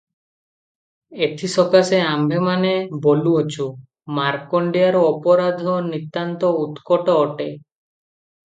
ଏଥିସକାଶେ ଆମ୍ଭେମାନେ ବୋଲୁଅଛୁଁ, ମାରକଣ୍ତିଆର ଅପରାଧ ନିତାନ୍ତ ଉତ୍କଟ ଅଟେ ।